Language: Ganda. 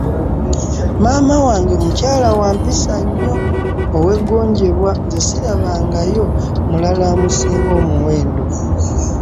Maama wange mukyala wa mpiisa nnyo ow'egongyebwa nze sirabanga yo mulala amusinga muwendo.